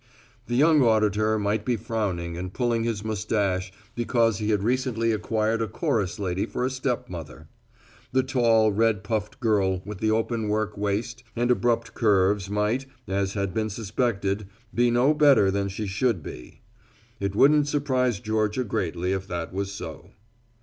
The young auditor might be frowning and pulling his mustache because he had recently acquired a chorus lady for a stepmother. The tall, red puffed girl with the open work waist and abrupt curves might, as had been suspected, be no better than she should be. It wouldn't surprise Georgia greatly if that was so.